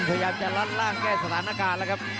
พยายามจะลัดล่างแก้สถานการณ์แล้วครับ